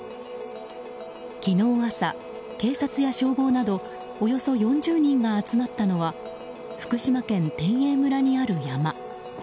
昨日朝、警察や消防などおよそ４０人が集まったのは福島県天栄村にある山。